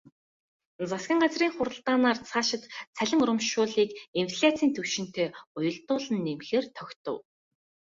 Засгийн газрын хуралдаанаар цаашид цалин урамшууллыг инфляцын түвшинтэй уялдуулан нэмэхээр тогтов.